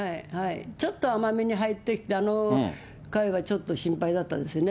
ちょっと甘めに入ってきて、あの回はちょっと心配だったですね。